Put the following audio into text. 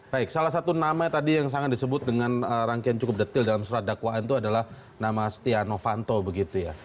baik salah satu nama tadi yang sangat disebut dengan rangkaian cukup detil dalam surat dakwaan itu adalah nama stiano fanto begitu ya